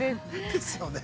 ◆ですよね。